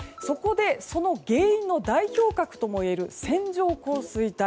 その原因の代表格ともいえる線状降水帯。